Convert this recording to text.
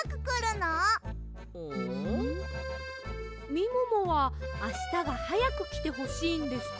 みももはあしたがはやくきてほしいんですか？